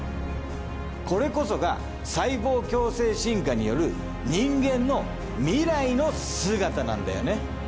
これこそが細胞共生進化による人間の未来の姿なんだよね。